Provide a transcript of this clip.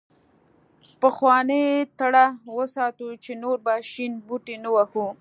پخوانۍ تړه وساتو چې نور به شین بوټی نه وهو.